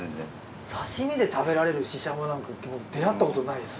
刺身で食べられるししゃもなんか出会ったことないです。